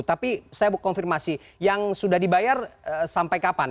tapi saya mau konfirmasi yang sudah dibayar sampai kapan